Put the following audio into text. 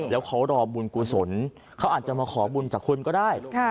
แล้วเขารอบุญกุศลเขาอาจจะมาขอบุญจากคุณก็ได้